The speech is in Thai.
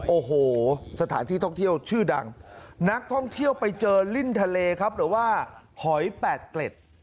โอ้โหสถานที่ท่องเที่ยวชื่อดังนักท่องเที่ยวไปเจอลิ้นทะเลครับหรือว่าหอยแปดเกล็ด